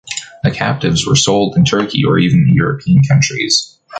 The captives were sold in Turkey or even in European countries.